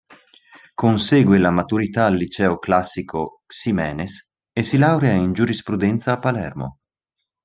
Consegue la maturità al Liceo Classico Ximenes e si laurea in Giurisprudenza a Palermo.